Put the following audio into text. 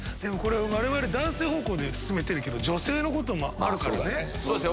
我々男性方向で進めてるけど女性のこともあるからね。